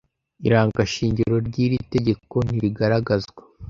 irangashingiro ry iri tegeko ntirigaragazwa